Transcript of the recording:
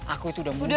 aku itu udah mulu